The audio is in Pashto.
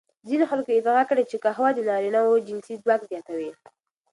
ځینو خلکو ادعا کړې چې قهوه د نارینوو جنسي ځواک زیاتوي.